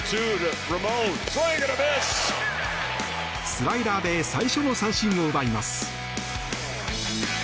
スライダーで最初の三振を奪います。